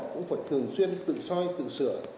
cũng phải thường xuyên tự soi tự sửa